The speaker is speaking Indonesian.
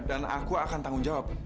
dan aku akan tanggung jawab